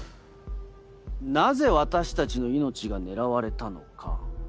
なぜ私たちの命が狙われたのか。